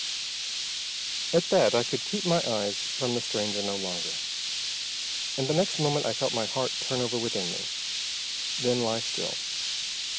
At that I could keep my eyes from the stranger no longer, and the next moment I felt my heart turn over within me, then lie still.